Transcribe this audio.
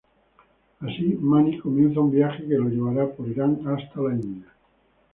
Así, Mani comienza un viaje que lo llevará por Irán hasta la India.